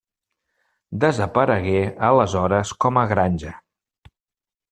Desaparegué aleshores com a granja.